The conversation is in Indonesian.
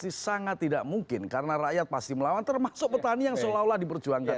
masih sangat tidak mungkin karena rakyat pasti melawan termasuk petani yang seolah olah diperjuangkan